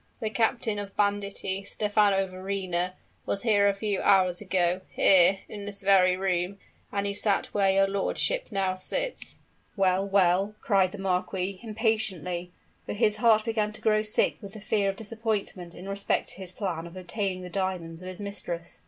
"The captain of banditti, Stephano Verrina, was here a few hours ago, here, in this very room, and he sat where your lordship now sits!" "Well, well?" cried the marquis, impatiently; for his heart began to grow sick with the fear of disappointment in respect to his plan of obtaining the diamonds of his mistress.